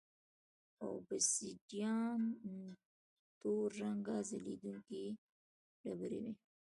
اوبسیدیان تور رنګه ځلېدونکې ډبرې وې